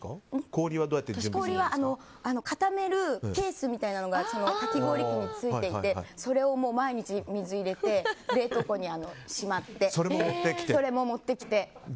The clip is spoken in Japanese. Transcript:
氷は固めるケースみたいなのがかき氷器に付いていてそれを毎日水入れて冷凍庫にしまってそれも持ってきて。